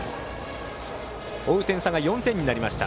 追う点差が４点になりました。